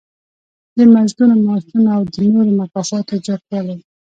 د مزدونو، معاشونو او د نورو مکافاتو زیاتوالی.